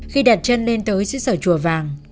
khi đặt chân lên tới sứ sở chùa vàng